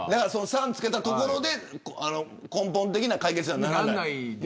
さん付けしたところで根本的な解決にはならない。